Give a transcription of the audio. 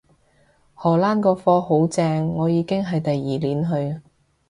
荷蘭個課好正，我已經係第二年去